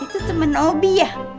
itu temen obi ya